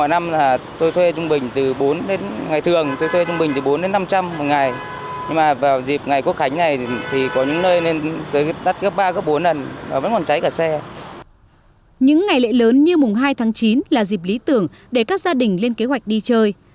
những ngày lễ lớn như mùng hai tháng chín là dịp lý tưởng để các gia đình lên kế hoạch đi chơi